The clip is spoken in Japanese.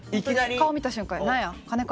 顔見た瞬間に「何や金か」。